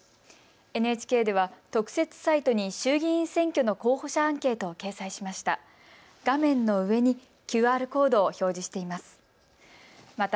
ＮＨＫでは特設サイトに衆議院選挙の候補者アンケートを掲載しました。